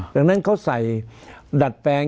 ดังนั้นเขาใส่ดัดแปลง